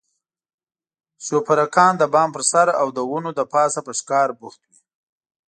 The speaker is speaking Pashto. شپرکان د بام پر سر او د ونو له پاسه په ښکار بوخت وي.